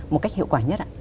một cách hiệu quả nhất